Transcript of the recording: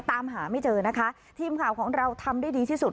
ตามหาไม่เจอนะคะทีมข่าวของเราทำได้ดีที่สุด